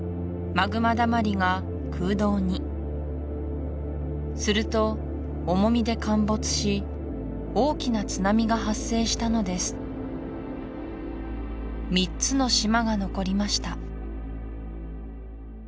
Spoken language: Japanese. マグマだまりが空洞にすると重みで陥没し大きな津波が発生したのです３つの島が残りました